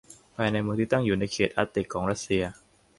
ภายในเมืองที่ตั้งอยู่ในเขตอาร์กติกของรัสเซีย